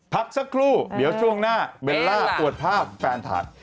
พักสักครู่เดี๋ยวช่วงหน้าเบลล่าอวดภาพแฟนถ่าย